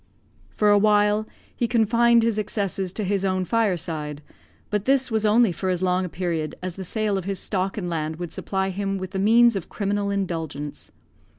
For awhile, he confined his excesses to his own fireside, but this was only for as long a period as the sale of his stock and land would supply him with the means of criminal indulgence.